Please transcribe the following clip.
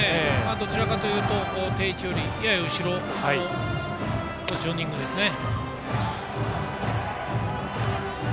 どちらかというと定位置よりやや後ろのポジショニングですね。